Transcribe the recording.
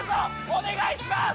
お願いします！